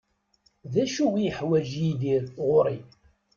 D acu i yeḥwaǧ Yidir ɣur-i?